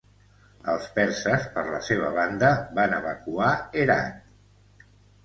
Els perses per la seva banda van evacuar Herat.